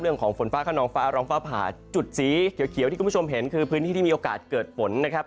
ฝนฟ้าขนองฟ้าร้องฟ้าผ่าจุดสีเขียวที่คุณผู้ชมเห็นคือพื้นที่ที่มีโอกาสเกิดฝนนะครับ